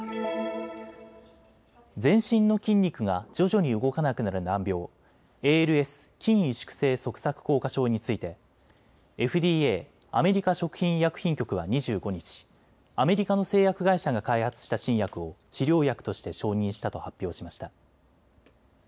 全身の筋肉が徐々に動かなくなる難病、ＡＬＳ・筋萎縮性側索硬化症についてＦＤＡ・アメリカ食品医薬品局は２５日、アメリカの製薬会社が開発した新薬を治療薬として承認したと発表しました。